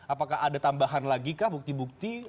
apakah ada tambahan lagi kah bukti bukti